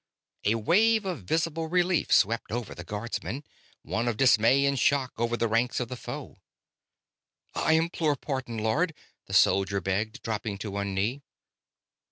A wave of visible relief swept over the Guardsmen; one of dismay and shock over the ranks of the foe. "I implore pardon, Lord," the soldier begged, dropping to one knee.